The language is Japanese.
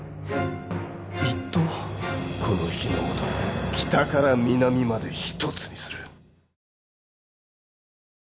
この日ノ本を北から南まで一つにする。